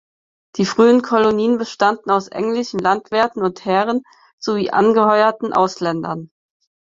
Die frühen Kolonien bestanden aus englischen Landwirten und Herren, sowie angeheuerten Ausländern.